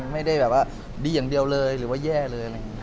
ไม่ได้แบบว่าดีอย่างเดียวเลยหรือว่าแย่เลยอะไรอย่างนี้